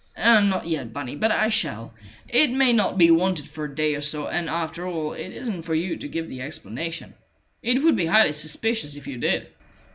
"Not yet, Bunny, but I shall. It may not be wanted for a day or so, and after all it isn't for you to give the explanation. It would be highly suspicious if you did."